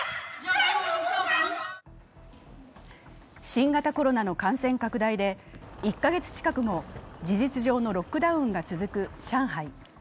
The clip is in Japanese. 新型コロナの感染拡大で１カ月近くも事実上のロックダウンが続く上海。